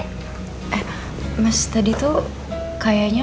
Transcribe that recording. eh mas tadi tuh kayaknya